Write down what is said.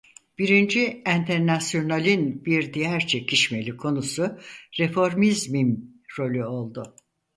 Birinci Enternasyonal'in bir diğer çekişmeli konusu reformizmin rolü oldu.